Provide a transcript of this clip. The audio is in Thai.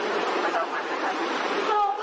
มันต่อก็ต่อก็ไม่บอกตำรวจที่ไหนแน่